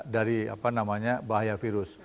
dari bahaya virus